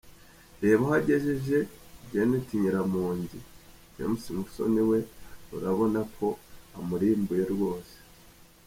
Reba aho agejeje Janet Nyiramongi, James Musoni we urabona ko amurimbuye rwose.